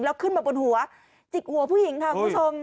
แล้วขึ้นมาบนหัวจิกหัวผู้หญิงค่ะคุณผู้ชม